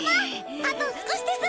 あと少しです。